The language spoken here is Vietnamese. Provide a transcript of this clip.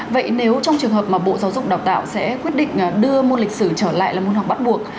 vậy nếu trong trường hợp mà bộ giáo dục đào tạo sẽ quyết định đưa môn lịch sử trở lại là môn học bắt buộc